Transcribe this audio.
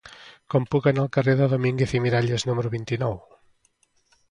Com puc anar al carrer de Domínguez i Miralles número vint-i-nou?